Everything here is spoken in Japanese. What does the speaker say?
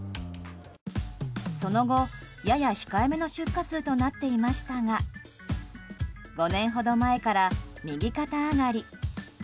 その後、やや控えめの出荷数となっていましたが５年ほど前から右肩上がり。